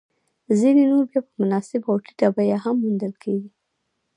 ځیني نور بیا په مناسبه او ټیټه بیه هم موندل کېږي